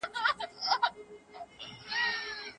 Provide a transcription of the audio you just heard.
چي په نوم به د اسلام پورته کېدلې